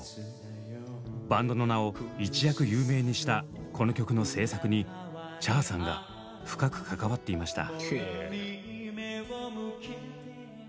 バンドの名を一躍有名にしたこの曲の制作にＣｈａｒさんが深く関わっていました。